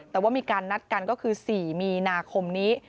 แต่ว่ามีการนัดกันก็คือ๔มีนาคมนี้